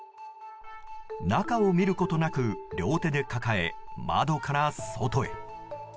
中を見ることなく両手で抱え窓から外へ。